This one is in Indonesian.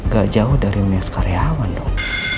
gak jauh dari mes karyawan dong